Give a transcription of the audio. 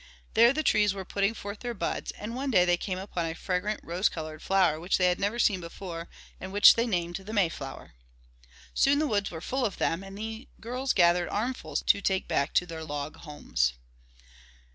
There the trees were putting forth their buds, and one day they came upon a fragrant rose colored flower which they had never seen before and which they named the Mayflower. Soon the woods were full of them, and the girls gathered armfuls to take back to their log homes.